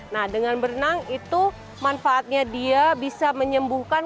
nah dengan berenang itu manfaatnya dia bisa menyembuhkan